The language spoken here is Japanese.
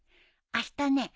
あしたね